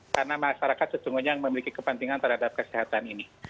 karena masyarakat sesungguhnya yang memiliki kepentingan terhadap kesehatan ini